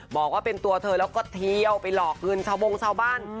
บอกว่าเป็นตัวเธอแล้วก็เที่ยวไปหลอกเงินชาวบงชาวบ้าน